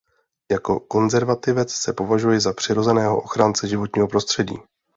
Jako konzervativec se považuji za přirozeného ochránce životního prostředí.